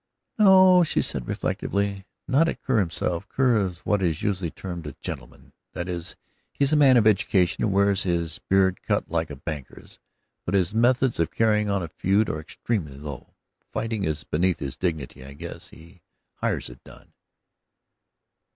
"No o," said she reflectively, "not at Kerr himself. Kerr is what is usually termed a gentleman; that is, he's a man of education and wears his beard cut like a banker's, but his methods of carrying on a feud are extremely low. Fighting is beneath his dignity, I guess; he hires it done."